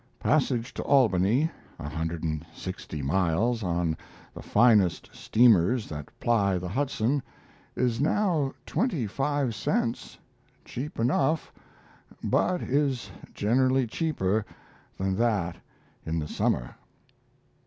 Passage to Albany (160 miles) on the finest steamers that ply the Hudson is now 25 cents cheap enough, but is generally cheaper than that in the summer.